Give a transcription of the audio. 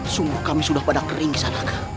sungguh kami sudah pada kering kisanak